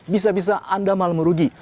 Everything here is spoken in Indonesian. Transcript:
bisa bisa anda malah merugi